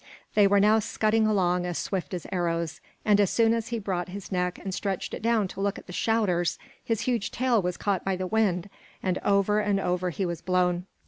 They were now scudding along as swift as arrows; and as soon as he brought his neck in and stretched it down to look at the shouters, his huge tail was caught by the wind, and over and over he was blown.